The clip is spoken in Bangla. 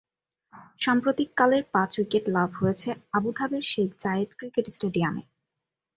সাম্প্রতিককালের পাঁচ-উইকেট লাভ হয়েছে আবুধাবির শেখ জায়েদ ক্রিকেট স্টেডিয়ামে।